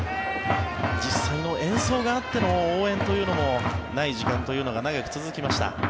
実際の演奏があっての応援というのもない時間が長く続きました。